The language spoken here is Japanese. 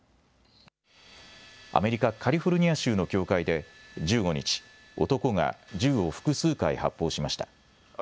アメリカ・カリフォルニア州の教会で１５日、男が銃を複数回発砲しました。